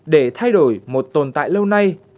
để thay đổi một tồn tại lâu nay